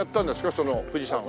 その富士山は。